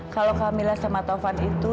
kalau camilla sama taufan itu